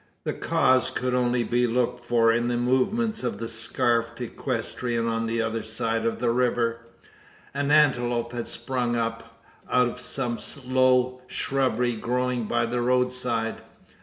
The cause could only be looked for in the movements of the scarfed equestrian on the other side of the river. An antelope had sprung up, out of some low shrubbery growing by the roadside.